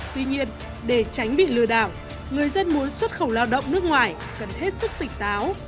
tuy nhiên để tránh bị lừa đảo người dân muốn xuất khẩu lao động nước ngoài cần hết sức tỉnh táo